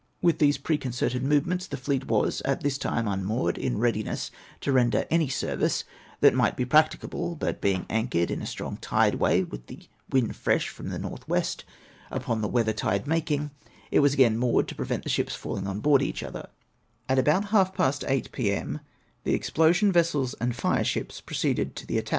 With these preconcerted movements the fleet was at this time unmoored, in readiness to render any service that might be practicable ; but being anchored in a strong tide way, with the wind fresh from the N.W. upon the weather tide making, it was again moored, to prevent the ships falling on board each other. 408 APPEXDJX ir. their Lordships, with any observations I may think proper to make thereon.